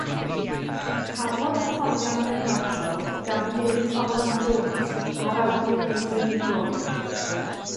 Cafodd hyfforddiant mewn adrodd gan David Thomas Jones ar awgrym ei gweinidog.